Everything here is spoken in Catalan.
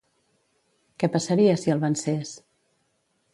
Què passaria si el vencés?